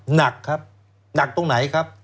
หนักครับหนักตรงไหนครับ